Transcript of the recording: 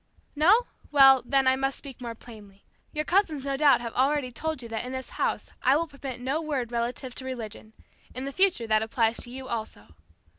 "No? Well, then, I must speak more plainly. Your cousins no doubt have already told you that in this house I will permit no word relative to religion. In the future that applies to you also."